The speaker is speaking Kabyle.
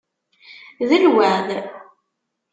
D lweεd.